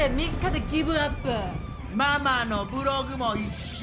ママのブログも一緒。